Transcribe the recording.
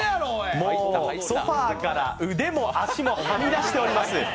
もう、ソファーから腕も足もはみ出しております。